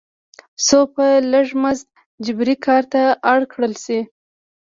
څو په لږ مزد جبري کار ته اړ کړل شي.